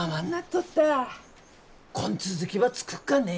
こん続きば作っかね。